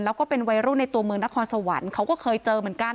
แล้วก็เป็นวัยรุ่นในตัวเมืองนครสวรรค์เขาก็เคยเจอเหมือนกัน